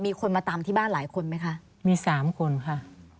มีคนมาตามที่บ้านหลายคนไหมคะ